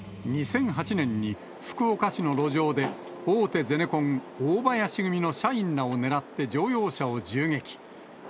２００８年に福岡市の路上で、大手ゼネコン、大林組の社員らを狙って乗用車を銃撃。